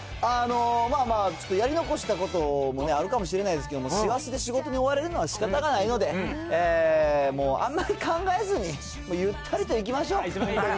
まあまあ、ちょっとやり残したこともあるかもしれないですけれども、師走で仕事に追われるのはしかたがないので、もうあんまり考えずに、もうゆったりといきましょう、本当に。